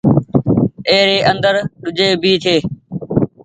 ايري اندر ۮوجھي ڀي ڇي۔